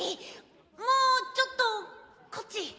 もうちょっとこっち。